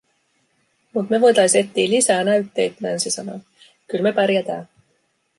"Mut me voitais ettii lisää näytteit", Nancy sanoi, "kyl me pärjätää".